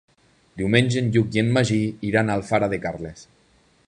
Diumenge en Lluc i en Magí iran a Alfara de Carles.